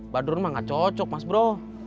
badrun mah nggak cocok mas bro